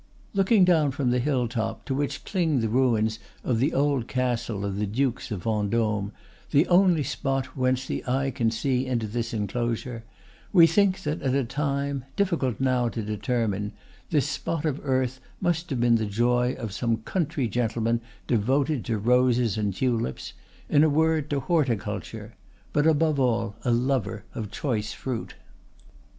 "Looking down from the hilltop, to which cling the ruins of the old castle of the Dukes of Vendôme, the only spot whence the eye can see into this enclosure, we think that at a time, difficult now to determine, this spot of earth must have been the joy of some country gentleman devoted to roses and tulips, in a word, to horticulture, but above all a lover of choice fruit.